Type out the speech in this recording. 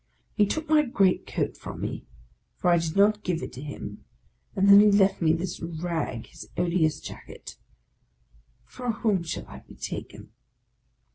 he took my great coat from me, for I did not give it to him ; and then he left me this rag, his odious jacket. For whom shall I be taken?